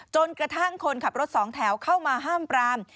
จนกระทั่งคนขับรถสองแถวเข้ามาห้ามปราม